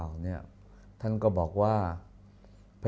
อเรนนี่แหละอเรนนี่แหละ